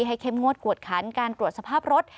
เข้มงวดกวดขันการตรวจสภาพรถ